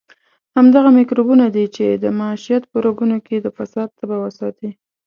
همدغه میکروبونه دي چې د معیشت په رګونو کې د فساد تبه وساتي.